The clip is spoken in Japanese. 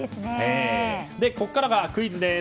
ここからがクイズです。